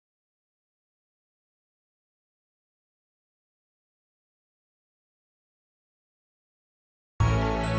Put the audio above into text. jangan lupa untuk berlangganan